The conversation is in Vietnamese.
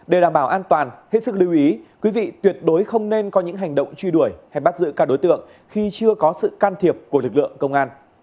để đảm bảo an toàn hết sức lưu ý quý vị tuyệt đối không nên có những hành động truy đuổi hay bắt giữ các đối tượng khi chưa có sự can thiệp của lực lượng công an